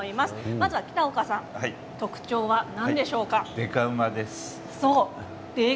まずは北岡さん特徴は何でしょうか？